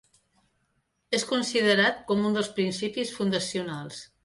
És considerat com un dels principis fundacionals